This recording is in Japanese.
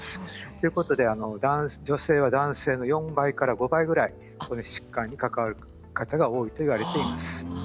ということであの女性は男性の４倍から５倍ぐらいこの疾患にかかる方が多いといわれています。